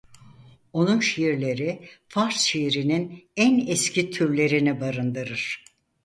Onun şiirleri Fars şiirinin en eski türlerini barındırır.